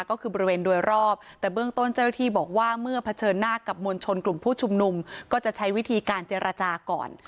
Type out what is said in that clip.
ก็คือบริเวณโดยรอบแต่เบื้องต้นเจ้าหน้าที่บอกว่าเมื่อเผชิญหน้ากับมวลชนกลุ่มผู้ชุมนุมก็จะใช้วิธีการเจรจาก่อน